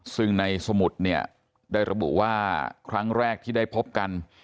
ซึ่งในสมุดเนี่ยได้ระบุว่าครั้งแรกที่ได้พบกัน